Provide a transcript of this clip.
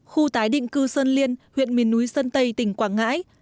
khu tái định cư sơn liên huyện miền núi sơn tây tỉnh quảng ngãi